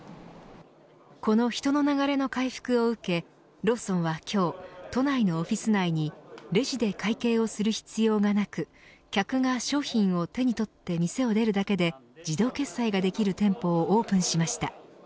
この人の流れの回復を受けローソンは今日都内のオフィス内にレジで会計をする必要がなく客が商品を手に取って店を出るだけで自動決済ができる店舗をオープンしました。